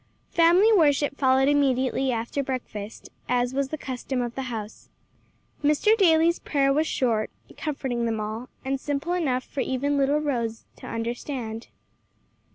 Family worship followed immediately after breakfast, as was the custom of the house. Mr. Daly's prayer was short, comforting them all, and simple enough for even little Rose to understand.